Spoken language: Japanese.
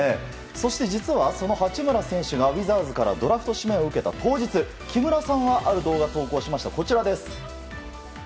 そして、実はその八村選手がウィザーズからドラフト指名を受けた当日木村さんはある動画を投稿しました。